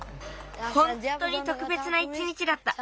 ほんとにとくべつな一日だった。